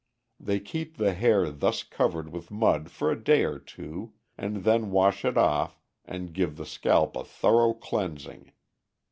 They keep the hair thus covered with mud for a day or two, and then wash it off and give the scalp a thorough cleansing.